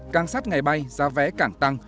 căng sát ngày bay giá vé càng tăng